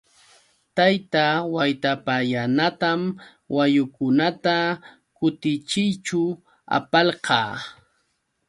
Tayta Waytapallanatam wayukunata kutichiyćhu apalqaa.